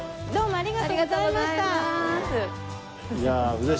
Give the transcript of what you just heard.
ありがとうございます。